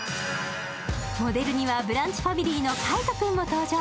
モデルにはブランチファミリーの海音君も登場。